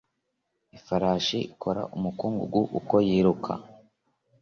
Ifarashi ikora umukungugu uko yiruka